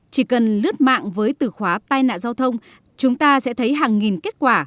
chỉ cần lướt mạng với từ khóa tai nạn giao thông chúng ta sẽ thấy hàng nghìn kết quả